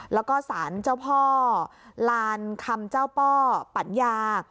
แล้วก็สารเจ้าพ่อลานคำเจ้าป้อปัญญา